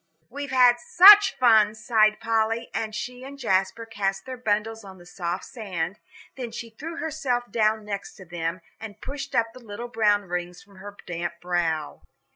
"We've had such fun," sighed Polly, and she and Jasper cast their bundles on the soft sand; then she threw herself down next to them, and pushed up the little brown rings from her damp brow.